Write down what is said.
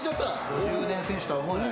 ５０年選手とは思えない。